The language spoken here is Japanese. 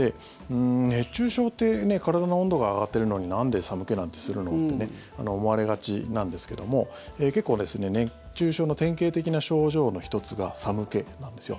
熱中症って体の温度が上がっているのになんで寒気なんてするの？って思われがちなんですけども結構、熱中症の典型的な症状の１つが寒気なんですよ。